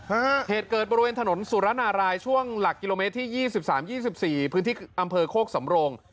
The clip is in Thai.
เหตุเกิดบริเวณถนนสุรณารายช่วงหลักกิโลเมตรที่๒๓๒๔พื้นที่อำเภอโคกสำโรง